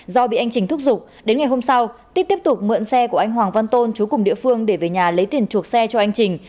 do bị anh trình thúc giục đến ngày hôm sau tiếp tục mượn xe của anh hoàng văn tôn chú cùng địa phương để về nhà lấy tiền chuộc xe cho anh trình